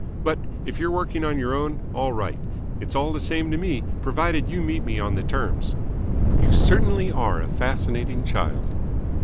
But, if you're working on your own, all right. It's all the same to me, provided you meet me on the terms." "You certainly are a fascinating child."